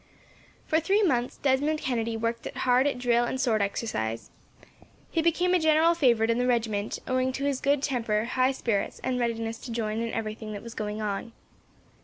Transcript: For three months, Desmond Kennedy worked hard at drill and sword exercise. He became a general favourite in the regiment, owing to his good temper, high spirits, and readiness to join in everything that was going on.